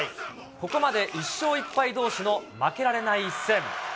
ここまで１勝１敗どうしの負けられない一戦。